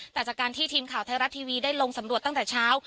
แต่จากการที่ทีมข่าวไทยรัฐทีวีได้ลงสำรวจตั้งแต่เช้า